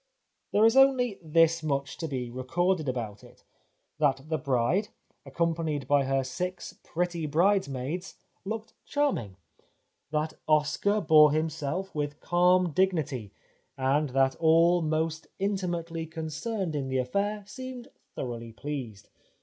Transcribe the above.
There is only this much to be recorded about it : that the bride, accompanied by her six pretty brides maids, looked charming ; that Oscar bore him self with calm dignity ; and that all most intim ately concerned in the affair seemed thoroughly pleased.